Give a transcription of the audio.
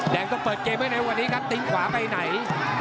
แดงก็เปิดเกมให้ในวันนี้ครับติ๊งขวาไปไหน